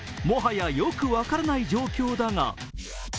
もはや、よく分からない状況だが。